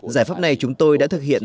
giải pháp này chúng tôi đã thực hiện